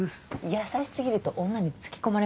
優しすぎると女につけ込まれますよ